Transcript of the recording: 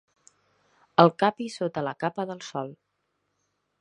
El capi sota la capa del sol.